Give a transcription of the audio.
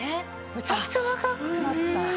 めちゃくちゃ若くなった！